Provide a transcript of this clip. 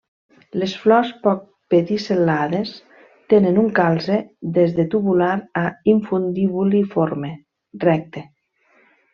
Les flors poc pedicel·lades tenen un calze des de tubular a infundibuliforme, recte.